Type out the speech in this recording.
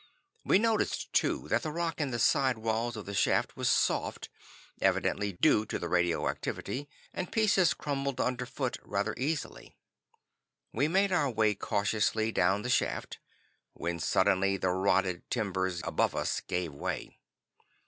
We noticed too that the rock in the side walls of the shaft was soft, evidently due to the radioactivity, and pieces crumbled under foot rather easily. We made our way cautiously down the shaft, when suddenly the rotted timbers above us gave way.